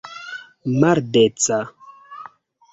maldeca